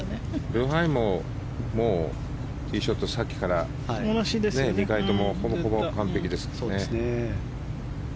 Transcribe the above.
ブハイもティーショット、さっきから２回ともほぼほぼ完璧です。